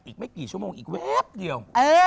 อีกไม่กี่ชั่วโมงอีกแวบเดียว